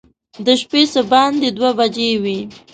د شپې څه باندې دوه بجې وې.